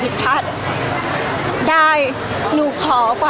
พี่ตอบได้แค่นี้จริงค่ะ